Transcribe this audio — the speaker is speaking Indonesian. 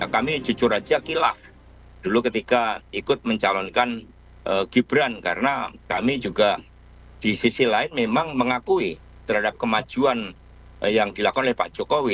kami jujur aja kilah dulu ketika ikut mencalonkan gibran karena kami juga di sisi lain memang mengakui terhadap kemajuan yang dilakukan oleh pak jokowi